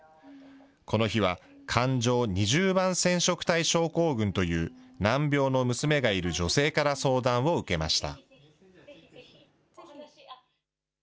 この日は、環状２０番染色体症候群という難病の娘がいる女性から相談を受けました。